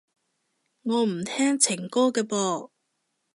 我唔聽情歌㗎噃